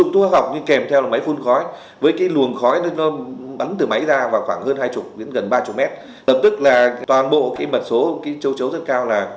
tập tức là toàn bộ mặt số châu chấu rất cao